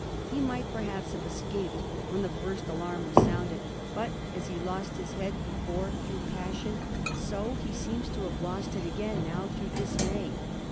He might perhaps have escaped when the first alarm was sounded, but, as he lost his head before through passion, so he seems to have lost it again now through dismay.